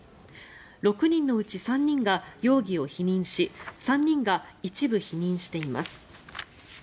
６人のうち３人が容疑を否認し３人が一部否認しています。